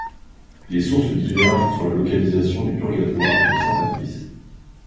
Les sources divergent sur la localisation du Purgatoire de saint Patrice.